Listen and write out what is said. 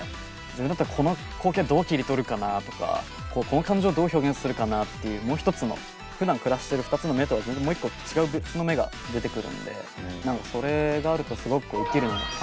自分だったらこの光景どう切り取るかなとかこの感情をどう表現するかなっていうもう一つのふだん暮らしてる２つの目とは全然もう一個違う別の目が出てくるので何かそれがあるとすごく生きるのが楽しくなるのかなという。